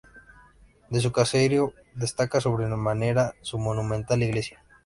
De su caserío destaca sobremanera su monumental iglesia.